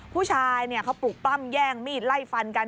ผู้ชายเขาปลุกปล้ำแย่งมีดไล่ฟันกัน